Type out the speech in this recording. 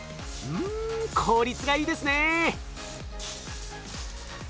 うん効率がいいですねえ。